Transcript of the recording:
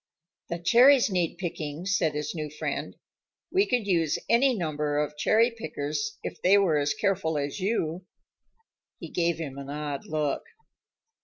"The cherries need picking," said his new friend. "We could use any number of cherry pickers, if they were as careful as you." He gave him an odd look.